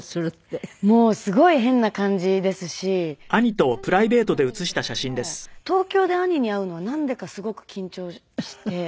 もうすごい変な感じですし普通にご飯食べるとかでも東京で兄に会うのはなんでかすごく緊張して。